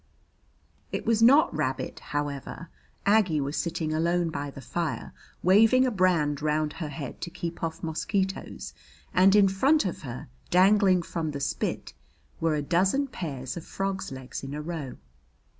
It was not rabbit, however. Aggie was sitting alone by the fire, waving a brand round her head to keep off mosquitoes, and in front of her, dangling from the spit, were a dozen pairs of frogs' legs in a row.